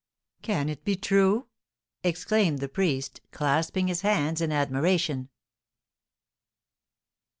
"Can it be true?" exclaimed the priest, clasping his hands in admiration.